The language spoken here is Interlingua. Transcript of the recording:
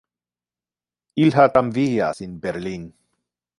Il ha tramvias in Berlin.